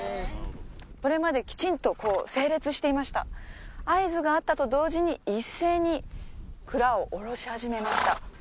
これまできちんと整列していました合図があったと同時に一斉に鞍をおろしはじめました